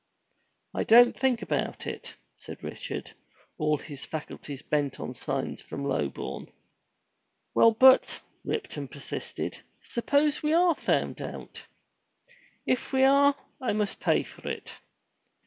"I don't think about it," said Richard, all his faculties bent on signs from Lobourne. "Well but," Ripton persisted, "suppose we are found out?" "If we are, I must pay for it."